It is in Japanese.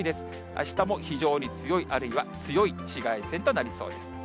あしたも非常に強い、あるいは強い紫外線となりそうです。